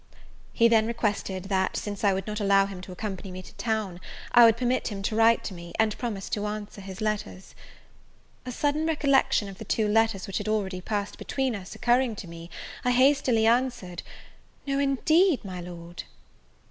He then requested, that, since I would not allow him to accompany me to town, I would permit him to write to me, and promise to answer his letters. A sudden recollection of the two letters which had already passed between us occurring to me, I hastily answered, "No, indeed, my Lord!